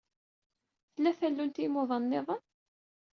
Tella tallunt i umdan niḍen?